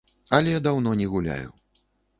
Але даўно не гуляю.